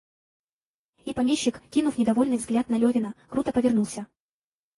И помещик, кинув недовольный взгляд на Левина, круто повернулся.